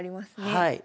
はい。